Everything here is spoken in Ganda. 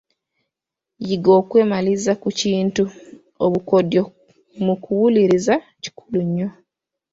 Yiga okwemaliza ku kintu . Obukodyo mu kuwuliriza kikulu nnyo.